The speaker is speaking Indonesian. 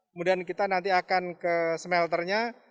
kemudian kita nanti akan ke smelternya